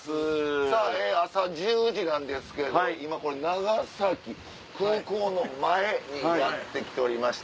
朝１０時なんですけれども今これ長崎空港の前にやって来ておりまして。